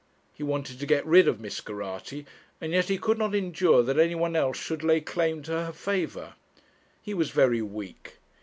He wanted to get rid of Miss Geraghty, and yet he could not endure that anyone else should lay claim to her favour. He was very weak.